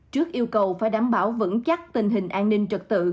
trước yêu cầu phải đảm bảo vững chắc tình hình an ninh trật tự